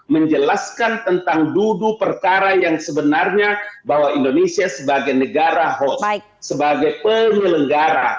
menjelaskan tentang duduk perkara yang sebenarnya bahwa indonesia sebagai negara host sebagai pemilu negara